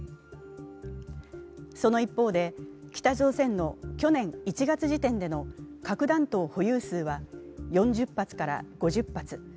その一方で、北朝鮮の去年１月時点での核弾頭保有数は４０発から５０発。